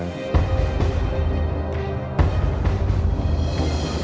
ป่าตาดขุบป่าตาด